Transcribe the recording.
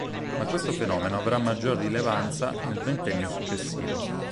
Ma questo fenomeno avrà maggior rilevanza nel ventennio successivo.